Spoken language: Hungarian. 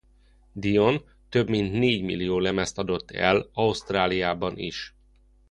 Dion több mint négy millió lemezt adott el Ausztráliában is.